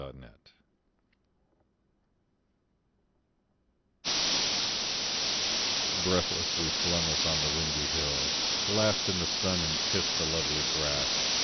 The Hill Breathless, we flung us on the windy hill, Laughed in the sun, and kissed the lovely grass.